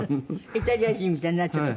イタリア人みたいになっちゃった。